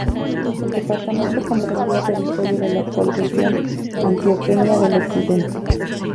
El departamento comprendía territorio de la actual región antioqueña del Occidente.